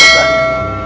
lalu allah bilang siapa